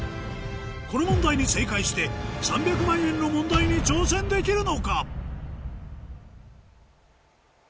この問題に正解して３００万円の問題に挑戦できるのか？